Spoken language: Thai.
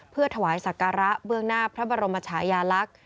เพื่อถวายศักระเบื้องหน้าพระบรมชายาลักษณ์